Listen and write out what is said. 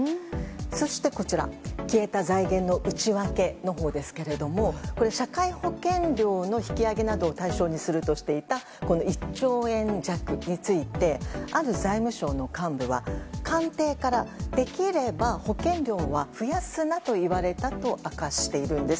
そして消えた財源の内訳のほうですが社会保険料の引き上げなどを対象にするとしていた１兆円弱についてある財務省の幹部は官邸から、できれば保険料は増やすなと言われたと明かしているんです。